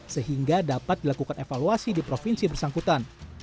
sehingga dapat dilakukan evaluasi di provinsi bersangkutan